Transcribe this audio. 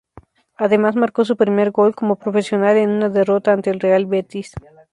Además marcó su primer gol como profesional en una derrota ante el Real Betis.